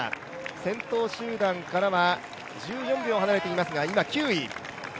先頭集団からは、１４秒離れていますが今９位。